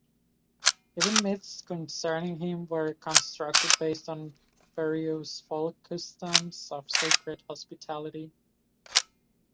Even myths concerning him were constructed based on various folk customs of sacred hospitality.